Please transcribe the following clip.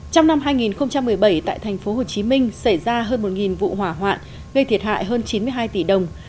trong năm hai nghìn một mươi bảy tại tp hcm xảy ra hơn một vụ hỏa hoạn gây thiệt hại hơn chín mươi hai tỷ đồng